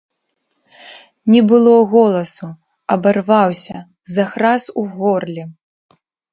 Не было голасу, абарваўся, захрас у горле.